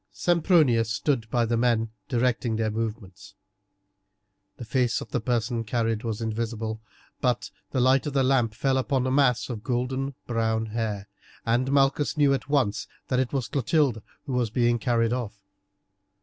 Sempronius stood by the men directing their movements. The face of the person carried was invisible, but the light of the lamp fell upon a mass of golden brown hair, and Malchus knew at once that it was Clotilde who was being carried off.